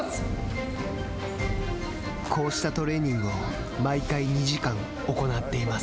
こうしたトレーニングを毎回２時間行っています。